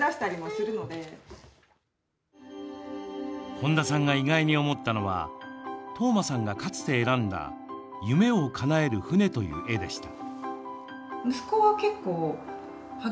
本田さんが意外に思ったのは統真さんが、かつて選んだ「夢を叶える船」という絵でした。